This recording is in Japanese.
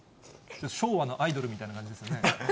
昭和のアイドルみたいな感じですね。